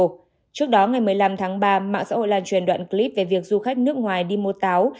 trước đó ngày một mươi năm tháng ba mạng xã hội lan truyền đoạn clip về việc du khách nước ngoài đi mua táo